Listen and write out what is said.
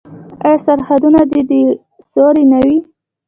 آیا سرحدونه دې د سولې نه وي؟